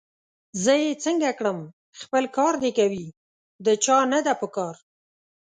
زه یې څنګه کړم! خپل کار دي کوي، د چا نه ده پکار